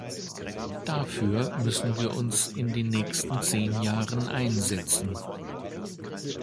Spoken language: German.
Dafür müssen wir uns in den nächsten zehn Jahren einsetzen.